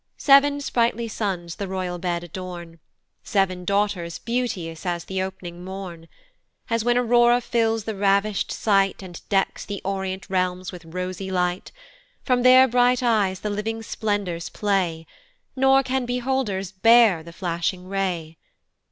Seven sprightly sons the royal bed adorn, Seven daughters beauteous as the op'ning morn, As when Aurora fills the ravish'd sight, And decks the orient realms with rosy light From their bright eyes the living splendors play, Nor can beholders bear the flashing ray.